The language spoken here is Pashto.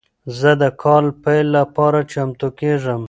زه د کال پیل لپاره چمتو کیږم.